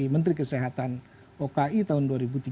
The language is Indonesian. menteri kesehatan oki tahun dua ribu tiga belas